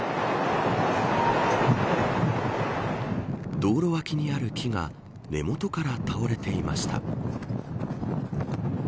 道路脇にある木が、根元から倒れていました。